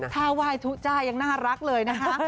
ถ้าไหว้ทุจ้ายังน่ารักเลยนะคะ